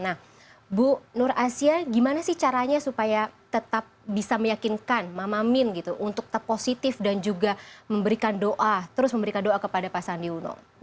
nah bu nur asia gimana sih caranya supaya tetap bisa meyakinkan mama min gitu untuk tetap positif dan juga memberikan doa terus memberikan doa kepada pak sandi uno